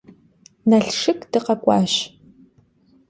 Nalşşık dıkhek'uaş.